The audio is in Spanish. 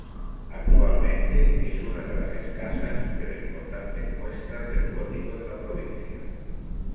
Actualmente es una de las escasas, pero importantes, muestras del gótico de la provincia.